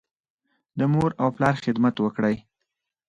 د مور او پلار خدمت وکړئ.